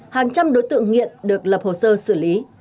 hàng trăm đối tượng nghiện được lập hồ sơ xử lý